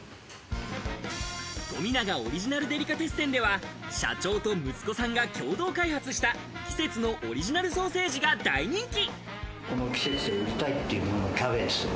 冨永オリジナルデリカテッセンでは社長と息子さんが共同開発した季節のオリジナルソーセージが大人気。